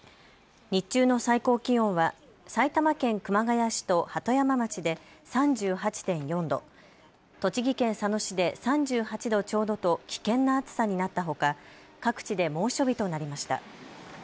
日中の最高気温は埼玉県熊谷市と鳩山町で３８．４度、栃木県佐野市で３８度ちょうどと危険な暑さになったほか各地で猛暑日となりました。